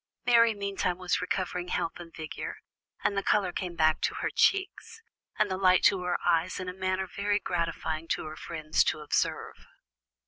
Mary meantime was recovering health and vigour, and the colour came back to her cheeks, and the light to her eyes in a manner very gratifying to her friends to observe.